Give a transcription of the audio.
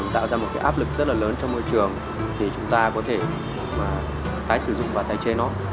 tạo ra một cái áp lực rất là lớn trong môi trường để chúng ta có thể tái sử dụng và tái chế nó